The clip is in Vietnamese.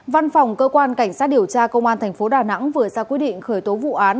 văn phòng cơ quan cảnh sát điều tra công an tp đà nẵng vừa ra quyết định khởi tố vụ án